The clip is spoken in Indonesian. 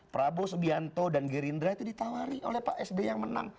dua ribu sembilan prabowo subianto dan gerindra itu ditawari oleh pak sd yang menang